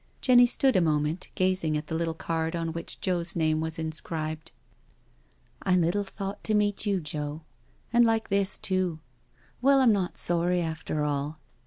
Jenny stood a moment gazing at the little card on which Joe's name was inscribed. " I little thought to meet you, Joe— and like this tool Well, I'm not sorry, after all."